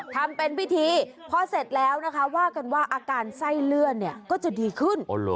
ทำเป็นพิธีพอเสร็จแล้วนะคะว่ากันว่าอาการไส้เลื่อนเนี่ยก็จะดีขึ้น